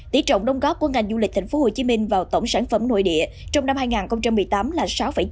tỷ trọng đóng góp của ngành du lịch thành phố hồ chí minh vào tổng sản phẩm nội địa trong năm hai nghìn một mươi tám là sáu chín